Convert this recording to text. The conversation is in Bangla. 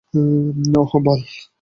ওহ, বাল।